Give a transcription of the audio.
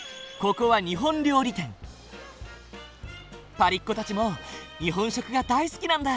ここはパリっ子たちも日本食が大好きなんだ。